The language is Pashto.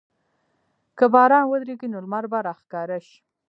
که باران ودریږي، نو لمر به راښکاره شي.